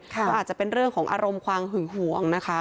ก็อาจจะเป็นเรื่องของอารมณ์ความหึงหวงนะคะ